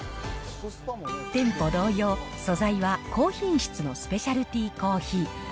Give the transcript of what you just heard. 店舗同様、素材は高品質のスペシャルティコーヒー。